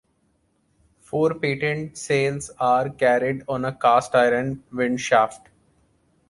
Four Patent sails are carried on a cast-iron windshaft.